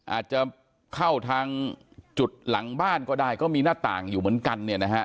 อาจจะเข้าทางจุดหลังบ้านก็ได้ก็มีหน้าต่างอยู่เหมือนกันเนี่ยนะฮะ